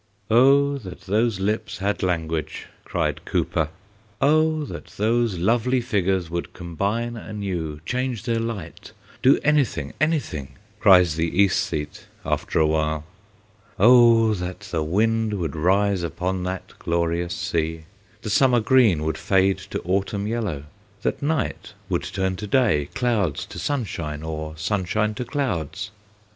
"Oh, that those lips had language!" cried Cowper. "Oh, that those lovely figures would combine anew change their light do anything, anything!" cries the æsthete after awhile. "Oh, that the wind would rise upon that glorious sea; the summer green would fade to autumn yellow; that night would turn to day, clouds to sunshine, or sunshine to clouds."